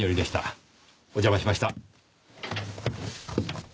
お邪魔しました。